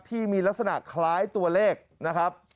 ที่มีลักษณะคล้ายตัวเลขนะครับ